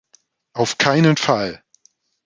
Auf keinen Fall!